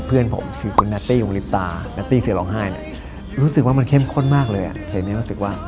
เพลงนี้รู้สึกว่า